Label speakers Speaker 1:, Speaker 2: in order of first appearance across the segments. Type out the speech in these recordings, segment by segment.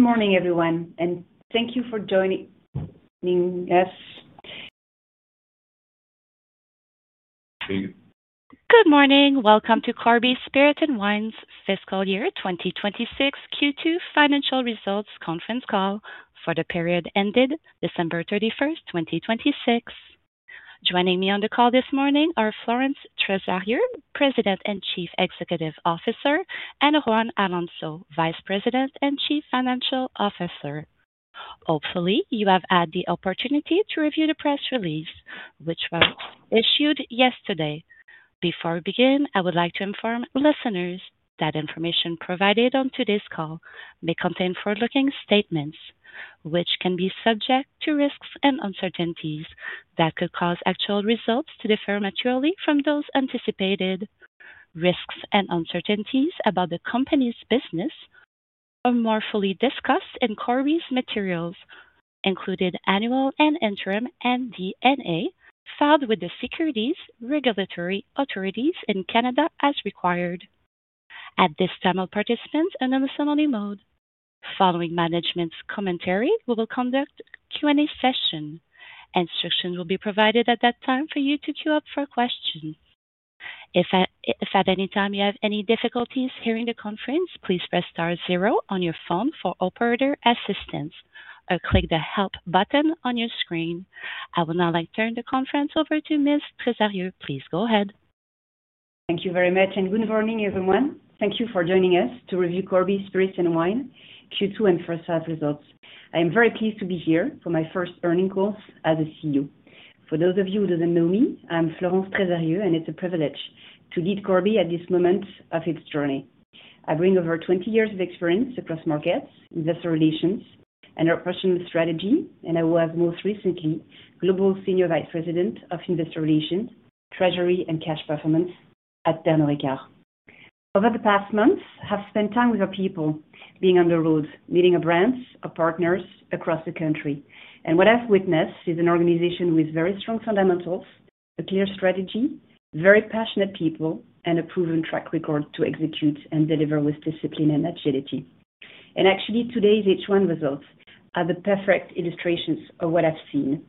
Speaker 1: Good morning. Welcome to Corby Spirit and Wine fiscal year 2026 Q2 financial results conference call for the period ended December 31, 2026. Joining me on the call this morning are Florence Trésarrieu, President and Chief Executive Officer, and Juan Alonso, Vice President and Chief Financial Officer. Hopefully, you have had the opportunity to review the press release, which was issued yesterday. Before we begin, I would like to inform listeners that information provided on today's call may contain forward-looking statements, which can be subject to risks and uncertainties that could cause actual results to differ materially from those anticipated. Risks and uncertainties about the company's business are more fully discussed in Corby's materials, including annual and interim MD&A, filed with the securities regulatory authorities in Canada as required. At this time, all participants are in a listening mode. Following management's commentary, we will conduct a Q&A session. Instructions will be provided at that time for you to queue up for a question. If at any time you have any difficulties hearing the conference, please press star zero on your phone for operator assistance or click the Help button on your screen. I would now like to turn the conference over to Ms. Trésarrieu. Please go ahead.
Speaker 2: Thank you very much, and good morning, everyone. Thank you for joining us to review Corby Spirit and Wine Q2 and first half results. I am very pleased to be here for my first earnings call as a CEO. For those of you who doesn't know me, I'm Florence Trésarrieu, and it's a privilege to lead Corby at this moment of its journey. I bring over 20 years of experience across markets, investor relations, and operational strategy, and I was most recently Global Senior Vice President of Investor Relations, Treasury, and Cash Performance at Pernod Ricard. Over the past months, I have spent time with our people, being on the road, meeting our brands, our partners across the country. What I've witnessed is an organization with very strong fundamentals, a clear strategy, very passionate people, and a proven track record to execute and deliver with discipline and agility. Actually, today's H1 results are the perfect illustrations of what I've seen.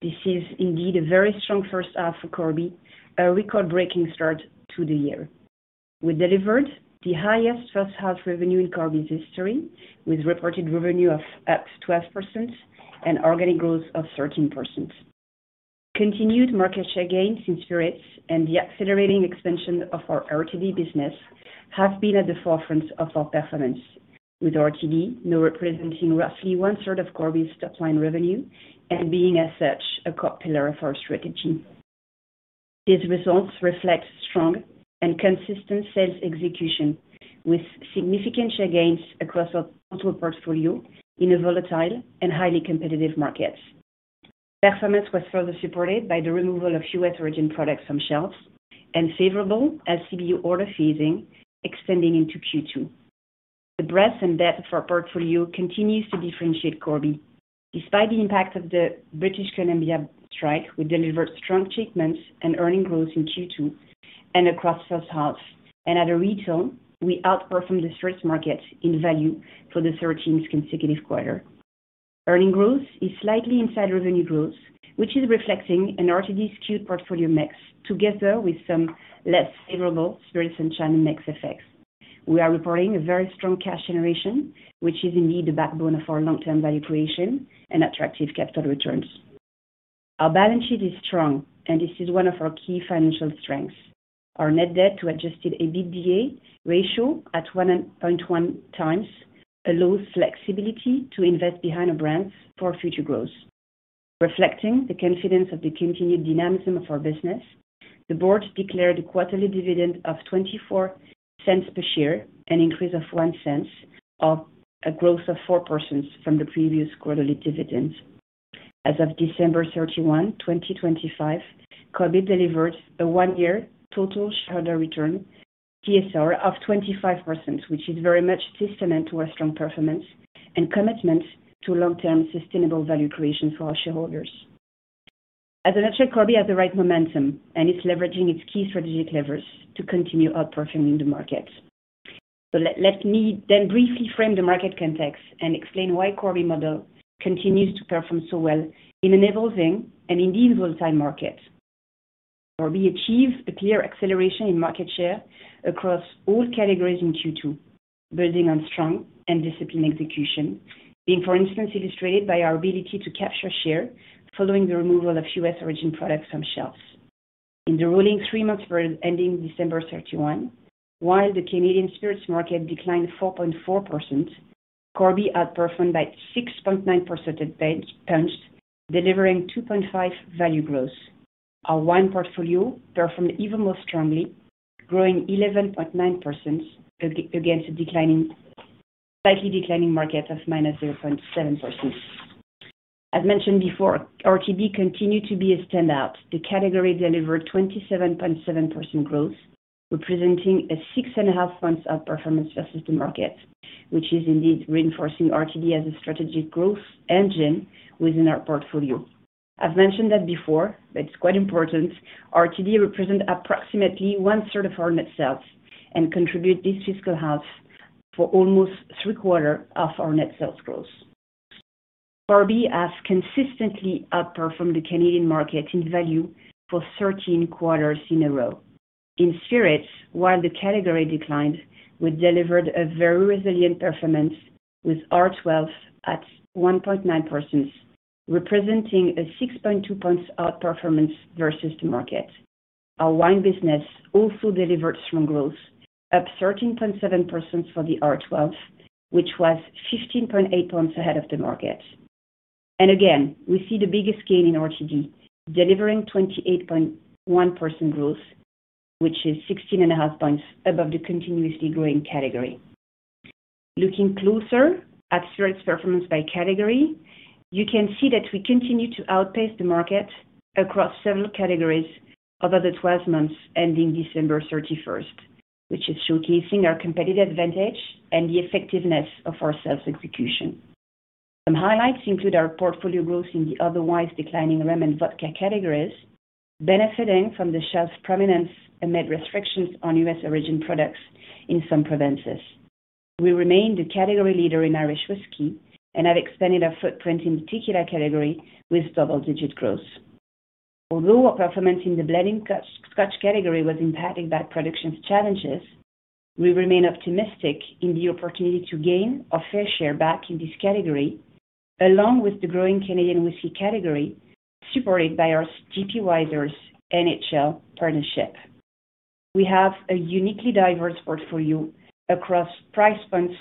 Speaker 2: This is indeed a very strong first half for Corby, a record-breaking start to the year. We delivered the highest first half revenue in Corby's history, with reported revenue of up 12% and organic growth of 13%. Continued market share gains in spirits and the accelerating expansion of our RTD business have been at the forefront of our performance, with RTD now representing roughly one third of Corby's top line revenue and being, as such, a core pillar of our strategy. These results reflect strong and consistent sales execution, with significant share gains across our total portfolio in a volatile and highly competitive market. Performance was further supported by the removal of U.S. origin products from shelves and favorable LCBO order phasing extending into Q2. The breadth and depth of our portfolio continues to differentiate Corby. Despite the impact of the British Columbia strike, we delivered strong shipments and earnings growth in Q2 and across first half. At retail, we outperformed the spirits market in value for the thirteenth consecutive quarter. Earnings growth is slightly inside revenue growth, which is reflecting an RTD skewed portfolio mix, together with some less favorable spirits and China mix effects. We are reporting a very strong cash generation, which is indeed the backbone of our long-term value creation and attractive capital returns. Our balance sheet is strong, and this is one of our key financial strengths. Our net debt to Adjusted EBITDA ratio at 1.1 times allows flexibility to invest behind our brands for future growth. Reflecting the confidence of the continued dynamism of our business, the board declared a quarterly dividend of $ 0.24 per share, an increase of $ 0.01, or a growth of 4% from the previous quarterly dividend. As of 31 December, 2025, Corby delivered a 1-year total shareholder return, TSR, of 25%, which is very much testament to our strong performance and commitment to long-term sustainable value creation for our shareholders. As I mentioned, Corby has the right momentum, and it's leveraging its key strategic levers to continue outperforming the market. So let me then briefly frame the market context and explain why Corby model continues to perform so well in an evolving and indeed volatile market. Corby achieved a clear acceleration in market share across all categories in Q2, building on strong and disciplined execution, being, for instance, illustrated by our ability to capture share following the removal of U.S. origin products from shelves. In the rolling three months ending December 31, while the Canadian spirits market declined 4.4%, Corby outperformed by 6.9 percentage points, delivering 2.5 value growth. Our wine portfolio performed even more strongly, growing 11.9% against a slightly declining market of -0.7%. As mentioned before, RTD continued to be a standout. The category delivered 27.7% growth, representing a 6.5 months outperformance versus the market, which is indeed reinforcing RTD as a strategic growth engine within our portfolio.... I've mentioned that before, but it's quite important. RTD represents approximately one-third of our net sales and contributed this fiscal half to almost three-quarters of our net sales growth. Corby has consistently outperformed the Canadian market in value for 13 quarters in a row. In spirits, while the category declined, we delivered a very resilient performance with R12 at 1.9%, representing a 6.2 points outperformance versus the market. Our wine business also delivered strong growth, up 13.7% for the R12, which was 15.8 points ahead of the market. Again, we see the biggest gain in RTD, delivering 28.1% growth, which is 16.5 points above the continuously growing category. Looking closer at spirits performance by category, you can see that we continue to outpace the market across several categories over the 12 months ending December 31st, which is showcasing our competitive advantage and the effectiveness of our sales execution. Some highlights include our portfolio growth in the otherwise declining rum and vodka categories, benefiting from the shelf's prominence amid restrictions on U.S. origin products in some provinces. We remain the category leader in Irish whiskey and have expanded our footprint in tequila category with double-digit growth. Although our performance in the blended Scotch category was impacted by production challenges, we remain optimistic in the opportunity to gain our fair share back in this category, along with the growing Canadian whiskey category, supported by our J.P. Wiser's NHL partnership. We have a uniquely diverse portfolio across price points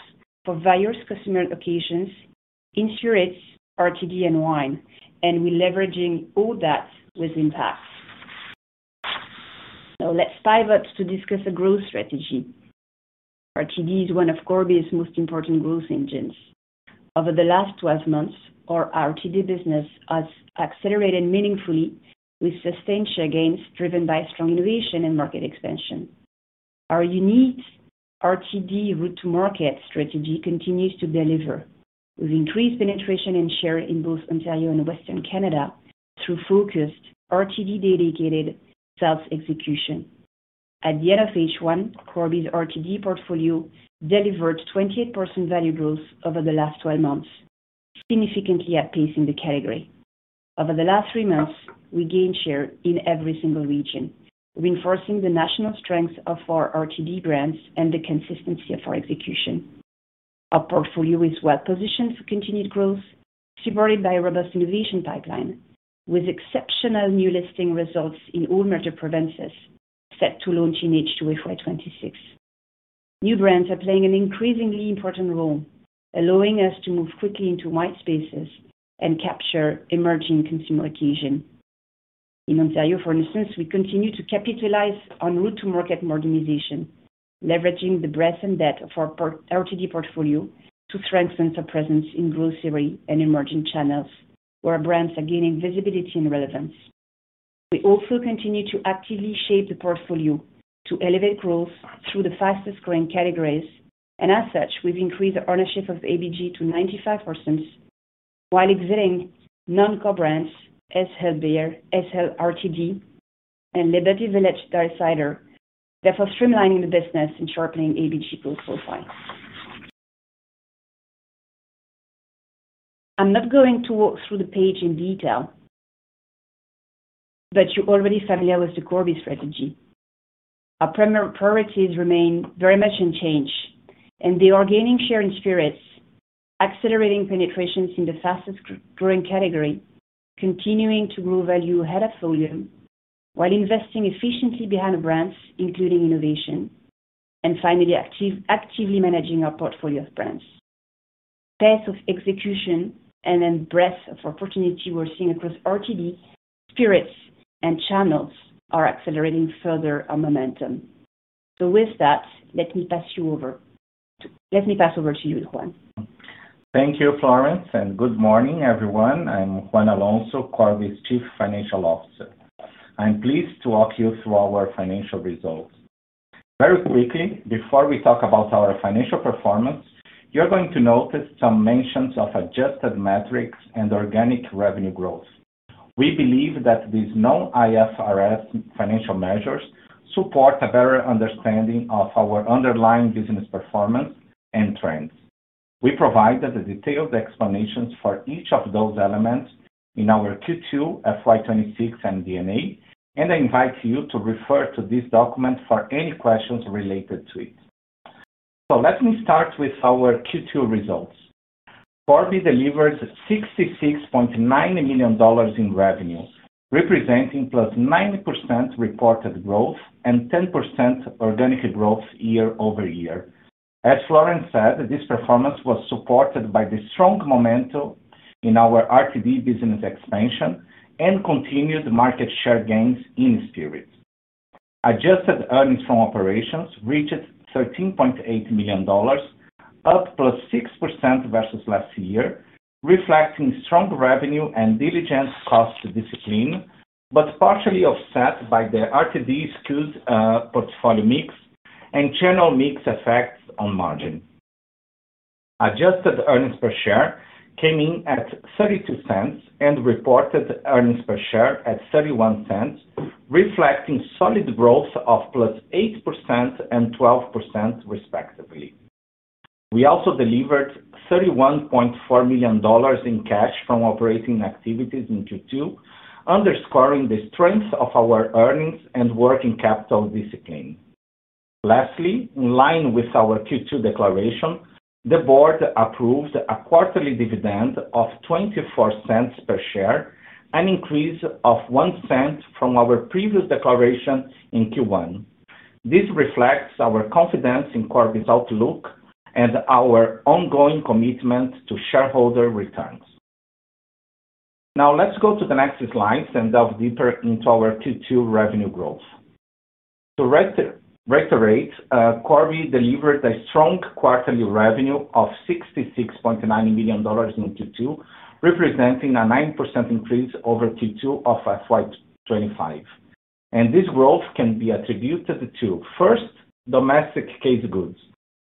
Speaker 2: for various customer occasions in spirits, RTD, and wine, and we're leveraging all that with impact. Now, let's dive up to discuss the growth strategy. RTD is one of Corby's most important growth engines. Over the last 12 months, our RTD business has accelerated meaningfully with sustained share gains, driven by strong innovation and market expansion. Our unique RTD route to market strategy continues to deliver, with increased penetration and share in both Ontario and Western Canada through focused RTD-dedicated sales execution. At the end of H1, Corby's RTD portfolio delivered 28% value growth over the last 12 months, significantly outpacing the category. Over the last three months, we gained share in every single region, reinforcing the national strength of our RTD brands and the consistency of our execution. Our portfolio is well positioned for continued growth, supported by a robust innovation pipeline, with exceptional new listing results in all major provinces set to launch in H2 FY 2026. New brands are playing an increasingly important role, allowing us to move quickly into white spaces and capture emerging consumer occasion. In Ontario, for instance, we continue to capitalize on route to market modernization, leveraging the breadth and depth of our RTD portfolio to strengthen our presence in grocery and emerging channels, where our brands are gaining visibility and relevance. We also continue to actively shape the portfolio to elevate growth through the fastest-growing categories, and as such, we've increased the ownership of ABG to 95%, while exiting non-core Ace Hill Beer, Ace Hill RTD, and Liberty Village Dry Cider, therefore streamlining the business and sharpening ABG growth profile. I'm not going to walk through the page in detail, but you're already familiar with the Corby strategy. Our premier priorities remain very much unchanged, and they are gaining share in spirits, accelerating penetrations in the fastest-growing category, continuing to grow value ahead of volume, while investing efficiently behind brands, including innovation, and finally, actively managing our portfolio of brands. Pace of execution and then breadth of opportunity we're seeing across RTD, spirits, and channels are accelerating further our momentum. So with that, let me pass you over... Let me pass over to you, Juan.
Speaker 3: Thank you, Florence, and good morning, everyone. I'm Juan Alonso, Corby's Chief Financial Officer. I'm pleased to walk you through our financial results. Very quickly, before we talk about our financial performance, you're going to notice some mentions of adjusted metrics and organic revenue growth. We believe that these non-IFRS financial measures support a better understanding of our underlying business performance and trends. We provided the detailed explanations for each of those elements in our Q2 FY 2026 and MD&A, and I invite you to refer to this document for any questions related to it. So let me start with our Q2 results. Corby delivered $ 66.9 million in revenue, representing +90% reported growth and 10% organic growth year-over-year. As Florence said, this performance was supported by the strong momentum in our RTD business expansion and continued market share gains in spirits. Adjusted earnings from operations reached $ 13.8 million, up +6% versus last year, reflecting strong revenue and diligence cost discipline, but partially offset by the RTD SKUs, portfolio mix and channel mix effects on margin. Adjusted earnings per share came in at $ 0.32 and reported earnings per share at $ 0.31, reflecting solid growth of +8% and 12%, respectively. We also delivered $ 31.4 million in cash from operating activities in Q2, underscoring the strength of our earnings and working capital discipline. Lastly, in line with our Q2 declaration, the board approved a quarterly dividend of $ 0.24 per share, an increase of $ 0.01 from our previous declaration in Q1. This reflects our confidence in Corby's outlook and our ongoing commitment to shareholder returns. Now, let's go to the next slide and delve deeper into our Q2 revenue growth. To restate, Corby delivered a strong quarterly revenue of $ 66.9 million in Q2, representing a 9% increase over Q2 of FY 2025. This growth can be attributed to, first, domestic case goods,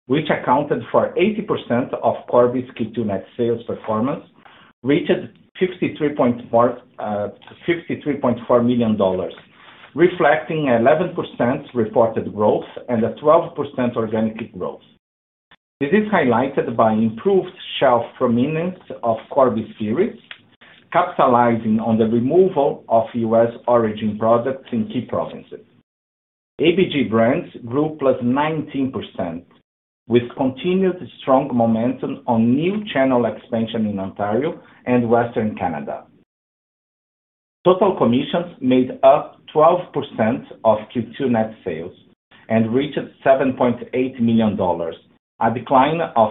Speaker 3: which accounted for 80% of Corby's Q2 net sales performance, reached 53.4, 53.4 million dollars, reflecting 11% reported growth and a 12% organic growth. This is highlighted by improved shelf prominence of Corby spirits, capitalizing on the removal of U.S. origin products in key provinces. ABG brands grew +19%, with continued strong momentum on new channel expansion in Ontario and Western Canada. Total commissions made up 12% of Q2 net sales and reached $ 7.8 million, a decline of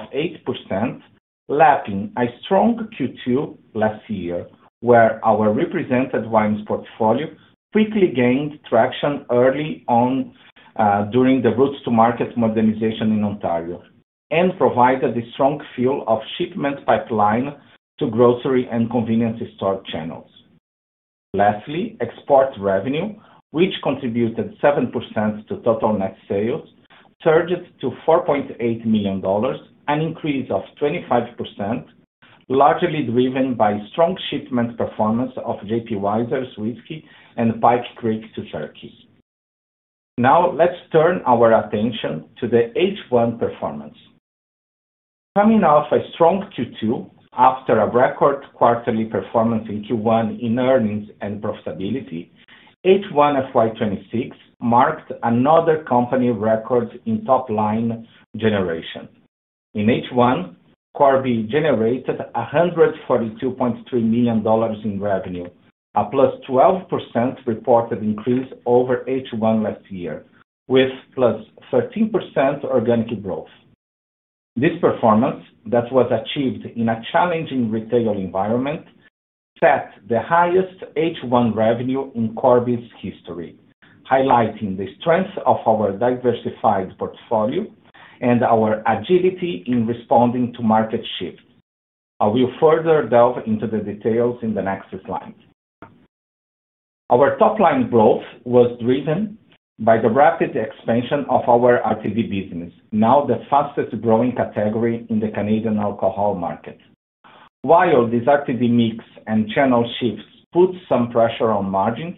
Speaker 3: 8%, lapping a strong Q2 last year, where our represented wines portfolio quickly gained traction early on during the routes to market modernization in Ontario, and provided a strong feel of shipment pipeline to grocery and convenience store channels. Lastly, export revenue, which contributed 7% to total net sales, surged to $ 4.8 million, an increase of 25%, largely driven by strong shipment performance of J.P. Wiser's and Pike Creek to Turkey. Now, let's turn our attention to the H1 performance. Coming off a strong Q2 after a record quarterly performance in Q1 in earnings and profitability, H1 FY 2026 marked another company record in top line generation. In H1, Corby generated $ 142.3 million in revenue, a +12% reported increase over H1 last year, with +13% organic growth. This performance that was achieved in a challenging retail environment, set the highest H1 revenue in Corby's history, highlighting the strength of our diversified portfolio and our agility in responding to market shifts. I will further delve into the details in the next slide. Our top-line growth was driven by the rapid expansion of our RTD business, now the fastest growing category in the Canadian alcohol market. While this RTD mix and channel shifts put some pressure on margins,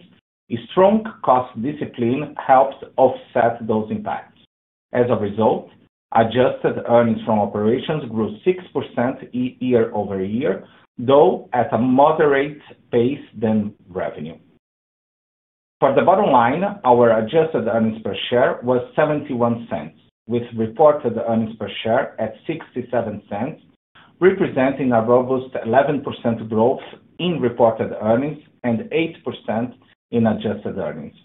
Speaker 3: a strong cost discipline helped offset those impacts. As a result, adjusted earnings from operations grew 6% year-over-year, though at a moderate pace than revenue. For the bottom line, our adjusted earnings per share was $ 0.71, with reported earnings per share at $ 0.67, representing a robust 11% growth in reported earnings and 8% in adjusted earnings.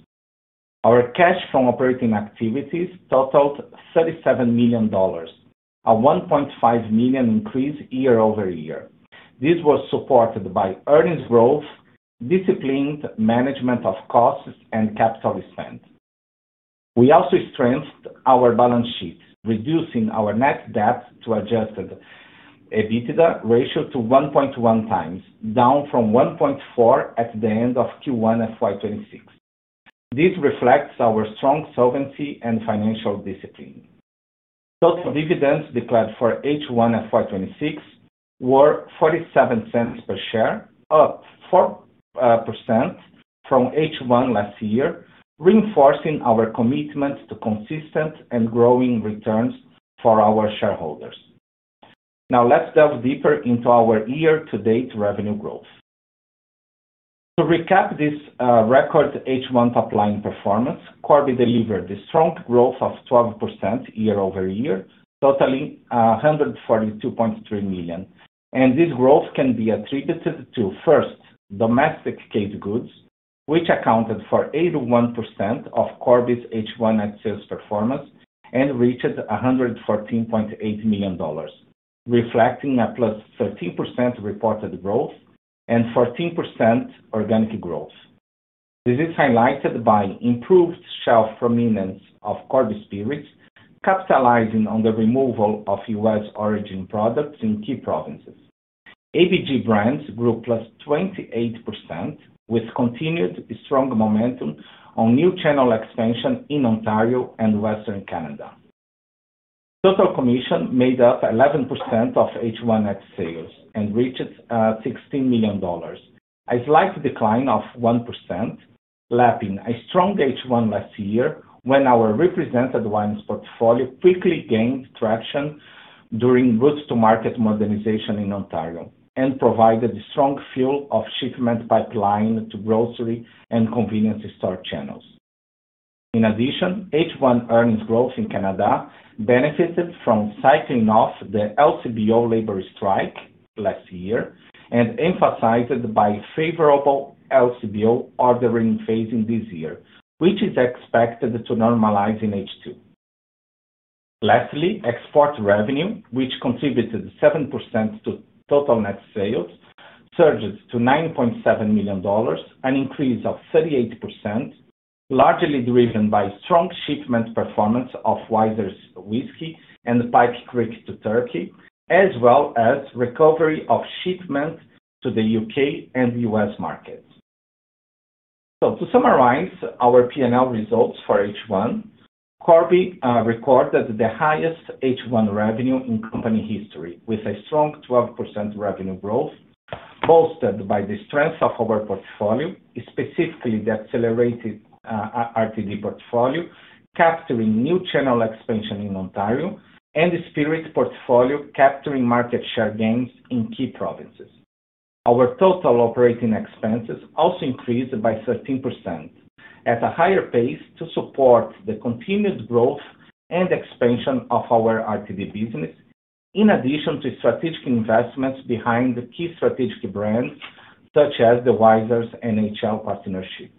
Speaker 3: Our cash from operating activities totaled $ 37 million, a $ 1.5 million increase year over year. This was supported by earnings growth, disciplined management of costs, and capital spend. We also strengthened our balance sheet, reducing our net debt to Adjusted EBITDA ratio to 1.1 times, down from 1.4 at the end of Q1 FY 2026. This reflects our strong solvency and financial discipline. Total dividends declared for H1 FY 2026 were $ 0.47 per share, up 4% from H1 last year, reinforcing our commitment to consistent and growing returns for our shareholders. Now, let's delve deeper into our year-to-date revenue growth. To recap this, record H1 top-line performance, Corby delivered a strong growth of 12% year-over-year, totaling $ 142.3 million. This growth can be attributed to, first, domestic case goods, which accounted for 81% of Corby's H1 net sales performance and reached $ 114.8 million, reflecting a +13% reported growth and 14% organic growth. This is highlighted by improved shelf prominence of Corby spirits, capitalizing on the removal of U.S.-origin products in key provinces... ABG brands grew +28%, with continued strong momentum on new channel expansion in Ontario and Western Canada. Total commission made up 11% of H1 net sales and reached $ 16 million, a slight decline of 1%, lapping a strong H1 last year, when our represented wines portfolio quickly gained traction during route to market modernization in Ontario, and provided strong fuel of shipment pipeline to grocery and convenience store channels. In addition, H1 earnings growth in Canada benefited from cycling off the LCBO labor strike last year, and emphasized by favorable LCBO ordering phase in this year, which is expected to normalize in H2. Lastly, export revenue, which contributed 7% to total net sales, surges to $ 9.7 million, an increase of 38%, largely driven by strong shipment performance of Wiser's Whisky and Pike Creek to Turkey, as well as recovery of shipments to the UK and US markets. So to summarize our P&L results for H1, Corby recorded the highest H1 revenue in company history, with a strong 12% revenue growth, bolstered by the strength of our portfolio, specifically the accelerated RTD portfolio, capturing new channel expansion in Ontario, and the spirits portfolio capturing market share gains in key provinces. Our total operating expenses also increased by 13%, at a higher pace to support the continued growth and expansion of our RTD business, in addition to strategic investments behind the key strategic brands such as the Wiser's NHL partnership.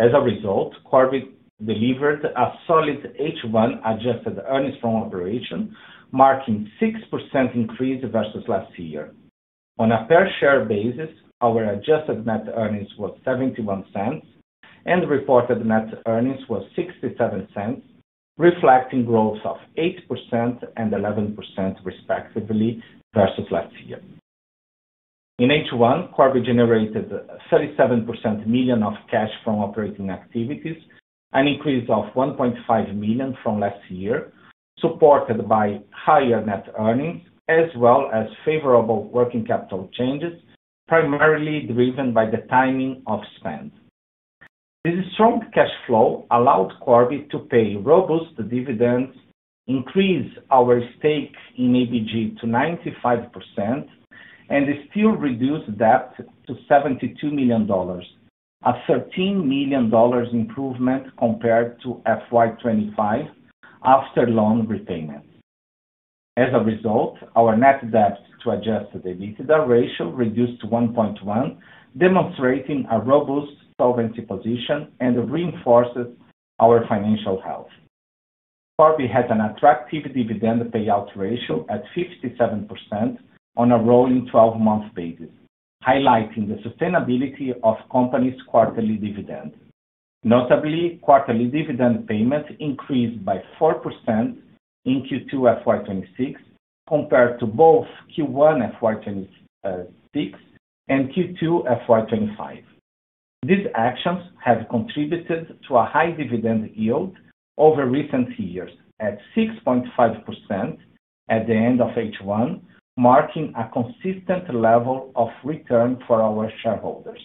Speaker 3: As a result, Corby delivered a solid H1 adjusted earnings from operation, marking 6% increase versus last year. On a per share basis, our adjusted net earnings was $ 0.71, and reported net earnings was $ 0.67, reflecting growth of 8% and 11%, respectively, versus last year. In H1, Corby generated $ 37 million of cash from operating activities, an increase of $ 1.5 million from last year, supported by higher net earnings, as well as favorable working capital changes, primarily driven by the timing of spends. This strong cash flow allowed Corby to pay robust dividends, increase our stake in ABG to 95%, and still reduce debt to $ 72 million, a $ 13 million improvement compared to FY 2025 after loan repayment. As a result, our net debt to adjusted EBITDA ratio reduced to 1.1, demonstrating a robust solvency position and reinforces our financial health. Corby has an attractive dividend payout ratio at 57% on a rolling twelve-month basis, highlighting the sustainability of company's quarterly dividend. Notably, quarterly dividend payments increased by 4% in Q2 FY 2026 and Q2 FY 2025. These actions have contributed to a high dividend yield over recent years, at 6.5% at the end of H1, marking a consistent level of return for our shareholders.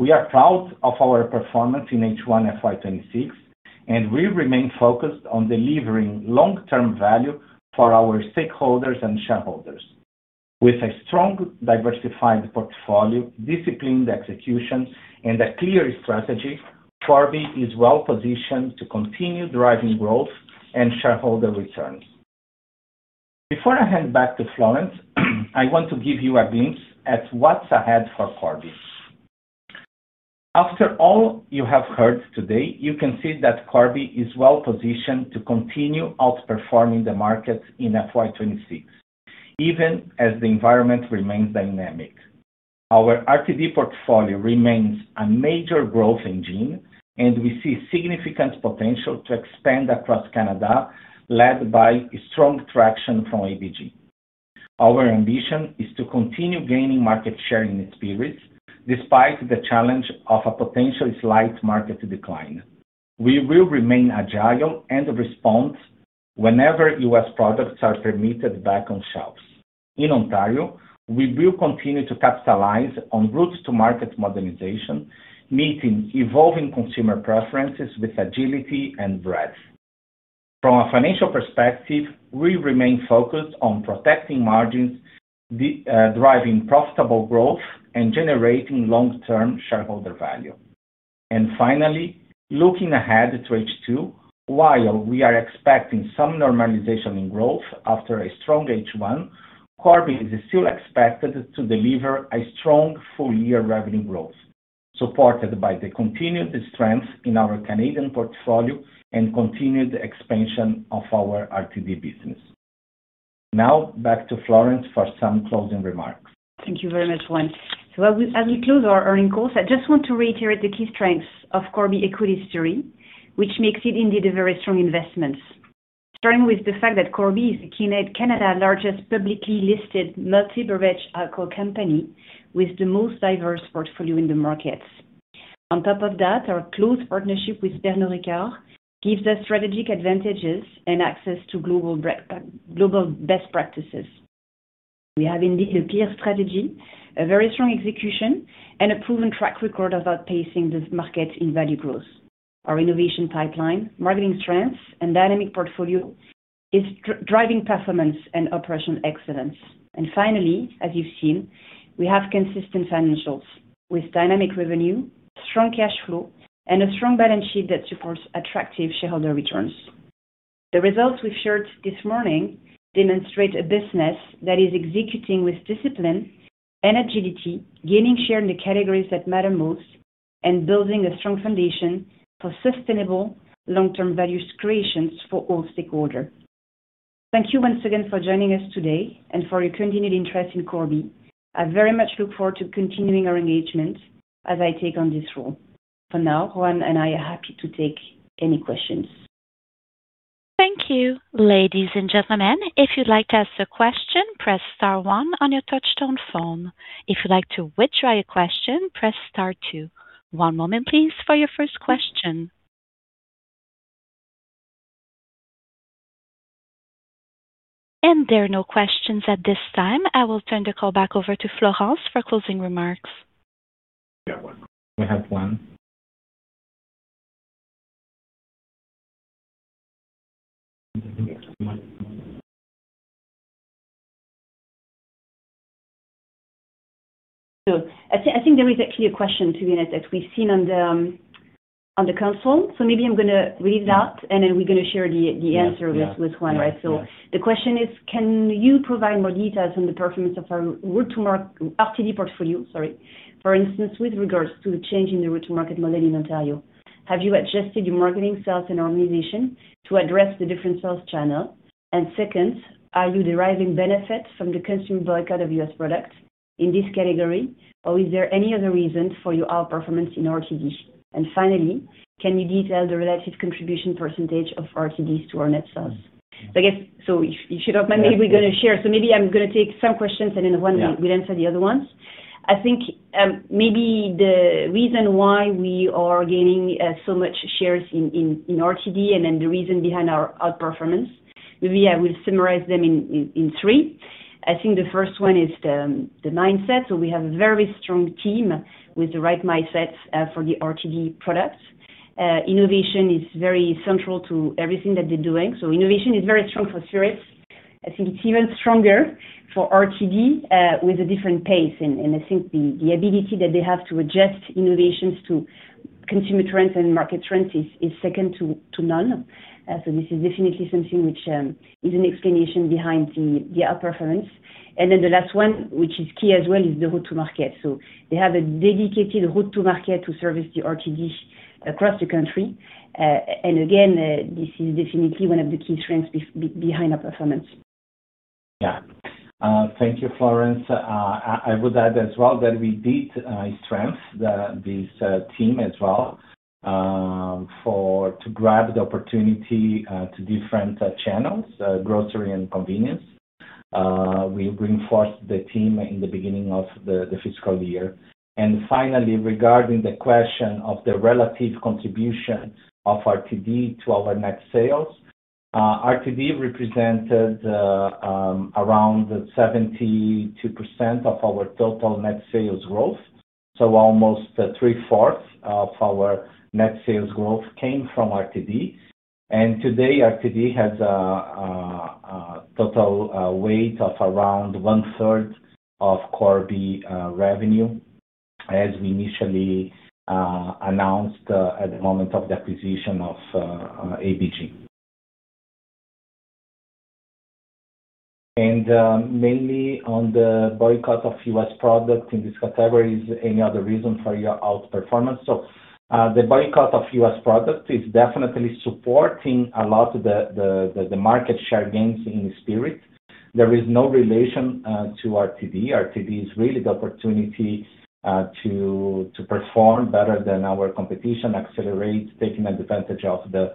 Speaker 3: We are proud of our performance in H1 FY 2026, and we remain focused on delivering long-term value for our stakeholders and shareholders. With a strong, diversified portfolio, disciplined execution, and a clear strategy, Corby is well positioned to continue driving growth and shareholder returns. Before I hand back to Florence, I want to give you a glimpse at what's ahead for Corby. After all you have heard today, you can see that Corby is well positioned to continue outperforming the market in FY 2026, even as the environment remains dynamic. Our RTD portfolio remains a major growth engine, and we see significant potential to expand across Canada, led by strong traction from ABG. Our ambition is to continue gaining market share in spirits, despite the challenge of a potential slight market decline. We will remain agile and respond whenever U.S. products are permitted back on shelves. In Ontario, we will continue to capitalize on route to market modernization, meeting evolving consumer preferences with agility and breadth. From a financial perspective, we remain focused on protecting margins, driving profitable growth, and generating long-term shareholder value. And finally, looking ahead to H2, while we are expecting some normalization in growth after a strong H1, Corby is still expected to deliver a strong full-year revenue growth, supported by the continued strength in our Canadian portfolio and continued expansion of our RTD business. Now back to Florence for some closing remarks.
Speaker 2: Thank you very much, Juan. So as we, as we close our earnings call, I just want to reiterate the key strengths of Corby equity story, which makes it indeed a very strong investment. Starting with the fact that Corby is Canada's largest publicly listed multi-beverage alcohol company, with the most diverse portfolio in the market. On top of that, our close partnership with Pernod Ricard gives us strategic advantages and access to global best practices. We have indeed a clear strategy, a very strong execution, and a proven track record of outpacing this market in value growth. Our innovation pipeline, marketing strengths, and dynamic portfolio is driving performance and operational excellence. And finally, as you've seen, we have consistent financials with dynamic revenue, strong cash flow, and a strong balance sheet that supports attractive shareholder returns. The results we've shared this morning demonstrate a business that is executing with discipline and agility, gaining share in the categories that matter most, and building a strong foundation for sustainable long-term value creations for all stakeholders. Thank you once again for joining us today and for your continued interest in Corby. I very much look forward to continuing our engagement as I take on this role. For now, Juan and I are happy to take any questions.
Speaker 4: Thank you. Ladies and gentlemen, if you'd like to ask a question, press star one on your touchtone phone. If you'd like to withdraw your question, press star two. One moment, please, for your first question. There are no questions at this time. I will turn the call back over to Florence for closing remarks.
Speaker 3: We have one.
Speaker 2: We have one. So I think there is actually a question that we've seen on the console. So maybe I'm gonna read that, and then we're gonna share the answer with Juan, right?
Speaker 3: Yeah.
Speaker 2: So the question is: Can you provide more details on the performance of our route to market, RTD portfolio, sorry. For instance, with regards to the change in the route to market model in Ontario, have you adjusted your marketing, sales, and organization to address the different sales channel? And second, are you deriving benefit from the consumer boycott of U.S. products in this category, or is there any other reason for your outperformance in RTD? And finally, can you detail the relative contribution percentage of RTDs to our net sales? So I guess, so if you don't mind, maybe we're going to share. So maybe I'm going to take some questions, and then, Juan-
Speaker 3: Yeah.
Speaker 2: will answer the other ones. I think maybe the reason why we are gaining so much shares in RTD and then the reason behind our outperformance, maybe I will summarize them in three. I think the first one is the mindset. So we have a very strong team with the right mindsets for the RTD products. Innovation is very central to everything that they're doing, so innovation is very strong for spirits. I think it's even stronger for RTD with a different pace. And I think the ability that they have to adjust innovations to consumer trends and market trends is second to none. So this is definitely something which is an explanation behind the outperformance. And then the last one, which is key as well, is the route to market. So they have a dedicated route to market to service the RTD across the country. And again, this is definitely one of the key strengths behind our performance.
Speaker 3: Yeah. Thank you, Florence. I would add as well that we did strengthen this team as well for to grab the opportunity to different channels, grocery and convenience. We reinforced the team in the beginning of the fiscal year. Finally, regarding the question of the relative contribution of RTD to our net sales, RTD represented around 72% of our total net sales growth. So almost three-fourths of our net sales growth came from RTD. And today, RTD has a total weight of around one-third of Corby revenue, as we initially announced at the moment of the acquisition of ABG. And mainly on the boycott of U.S. products in this category, is any other reason for your outperformance? So, the boycott of U.S. products is definitely supporting a lot of the market share gains in spirit. There is no relation to RTD. RTD is really the opportunity to perform better than our competition, accelerate, taking advantage of the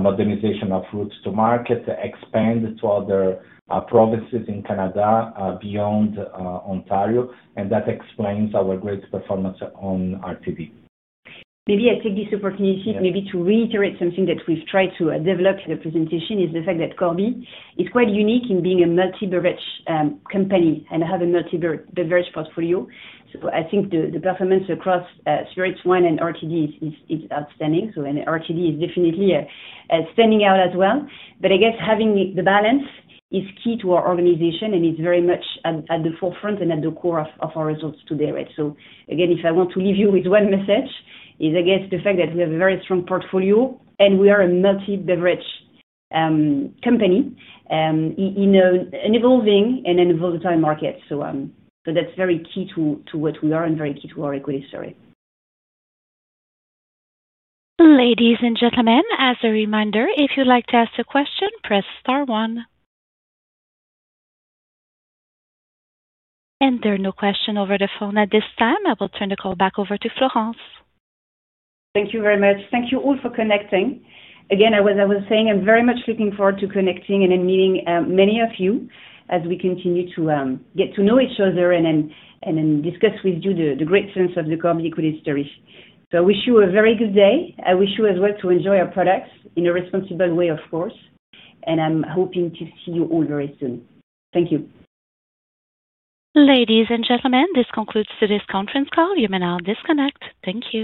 Speaker 3: modernization of routes to market, to expand to other provinces in Canada beyond Ontario, and that explains our great performance on RTD.
Speaker 2: Maybe I take this opportunity-
Speaker 3: Yeah.
Speaker 2: Maybe to reiterate something that we've tried to develop in the presentation, is the fact that Corby is quite unique in being a multi-beverage company and have a multi-beverage portfolio. So I think the performance across spirits, wine, and RTD is outstanding. So, and RTD is definitely standing out as well. But I guess having the balance is key to our organization, and it's very much at the forefront and at the core of our results today, right? So again, if I want to leave you with one message, is I guess the fact that we have a very strong portfolio, and we are a multi-beverage company in an evolving and a volatile market. So that's very key to what we are and very key to our equity story.
Speaker 4: Ladies and gentlemen, as a reminder, if you'd like to ask a question, press star one. There are no questions over the phone at this time. I will turn the call back over to Florence.
Speaker 2: Thank you very much. Thank you all for connecting. Again, as I was saying, I'm very much looking forward to connecting and then meeting many of you as we continue to get to know each other and then discuss with you the great trends of the Corby equity story. So I wish you a very good day. I wish you as well to enjoy our products in a responsible way, of course, and I'm hoping to see you all very soon. Thank you.
Speaker 4: Ladies and gentlemen, this concludes today's conference call. You may now disconnect. Thank you.